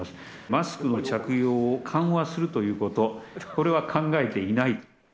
マスクの着用を緩和するということ、これは考えていない。